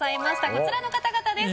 こちらの方々です。